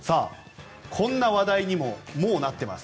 こんな話題にももうなっています。